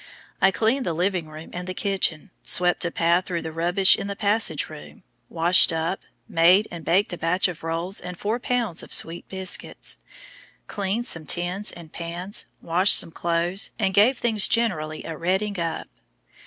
I cleaned the living room and the kitchen, swept a path through the rubbish in the passage room, washed up, made and baked a batch of rolls and four pounds of sweet biscuits, cleaned some tins and pans, washed some clothes, and gave things generally a "redding up."